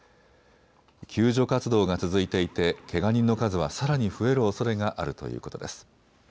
救助活動が続いていてけが人の数はさらに増えるおそれがあるということです。